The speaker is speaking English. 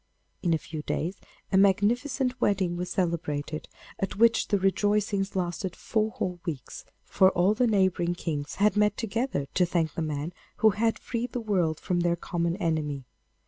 In a few days a magnificent wedding was celebrated, at which the rejoicings lasted four whole weeks, for all the neighbouring kings had met together to thank the man who had freed the world from their common enemy.